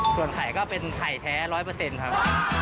ส่วนไข่ก็เป็นไข่แท้๑๐๐เปอร์เซ็นต์ครับ